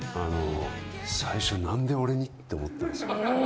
最初、なんで俺に？って思ったんですよ。